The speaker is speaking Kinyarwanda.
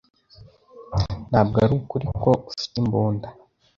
Ntabwo ari ukuri ko ufite imbunda